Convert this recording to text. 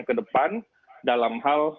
ke depan dalam hal